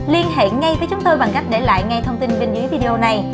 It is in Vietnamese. liên hệ ngay với chúng tôi bằng cách để lại ngay thông tin bên dưới video này